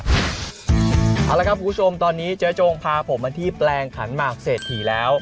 เอาละครับคุณผู้ชมตอนนี้เจ๊จงพาผมมาที่แปลงขันหมากเศรษฐีแล้ว